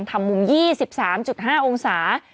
ทำมุม๒๓๕องศา